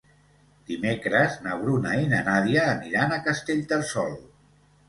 Dimecres na Bruna i na Nàdia aniran a Castellterçol.